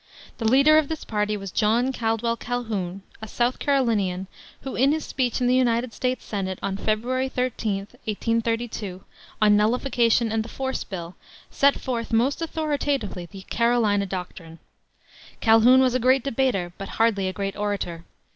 The leader of this party was John Caldwell Calhoun, a South Carolinian, who in his speech in the United States Senate, on February 13, 1832, on Nullification and the Force Bill, set forth most authoritatively the "Carolina doctrine." Calhoun was a great debater, but hardly a great orator.